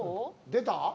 出た？